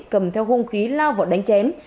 cầm theo hung khí lao vào đánh chém